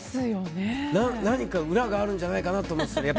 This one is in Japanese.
何か裏があるんじゃないかなと思って。